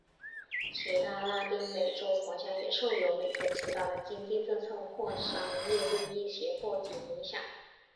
其他拉丁美洲国家也受由美国主导的经济政策或商业利益胁迫及影响。